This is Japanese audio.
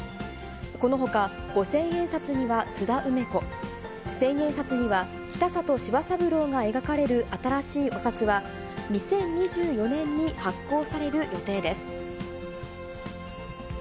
このほか、五千円札には津田梅子、千円札には北里柴三郎が描かれる新しいお札は、２０２４年に発行される予定です。